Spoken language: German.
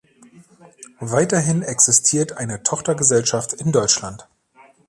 Weiterhin existiert eine Tochtergesellschaft in Deutschland.